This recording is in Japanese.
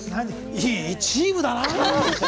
いいチームだな！